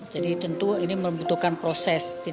jadi tentu ini membutuhkan proses